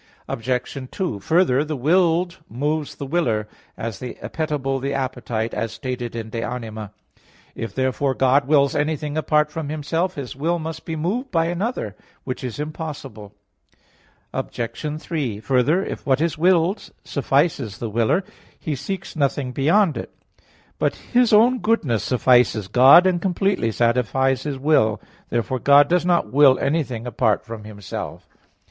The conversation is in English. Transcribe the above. Obj. 2: Further, the willed moves the willer, as the appetible the appetite, as stated in De Anima iii, 54. If, therefore, God wills anything apart from Himself, His will must be moved by another; which is impossible. Obj. 3: Further, if what is willed suffices the willer, he seeks nothing beyond it. But His own goodness suffices God, and completely satisfies His will. Therefore God does not will anything apart from Himself.